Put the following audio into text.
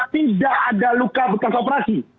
tidak ada luka bekas operasi